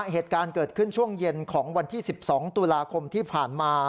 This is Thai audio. เหตุการณ์เกิดขึ้นช่วงเย็นของวันที่๑๒ตุลาคมที่ผ่านมา